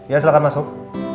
ya silahkan masuk